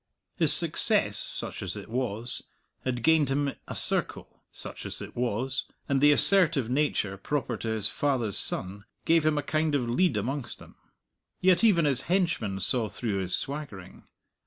His success such as it was had gained him a circle such as it was and the assertive nature proper to his father's son gave him a kind of lead amongst them. Yet even his henchmen saw through his swaggering.